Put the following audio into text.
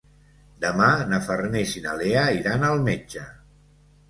Demà na Farners i na Lea iran al metge.